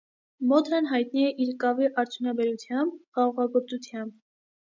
Մոդրան հայտնի է իր կավի արդյունաբերութեամբ, խաղողագործութեամբ։